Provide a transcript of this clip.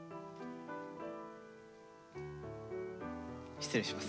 失礼します。